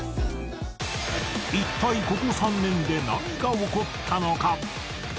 一体ここ３年で何が起こったのか？